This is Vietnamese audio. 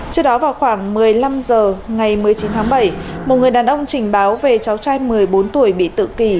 trước đó vào khoảng một mươi năm h ngày một mươi chín tháng bảy một người đàn ông trình báo về cháu trai một mươi bốn tuổi bị tự kỳ